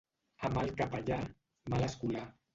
A mal capellà, mal escolà.